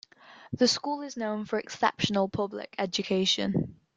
The school is known for exceptional public education.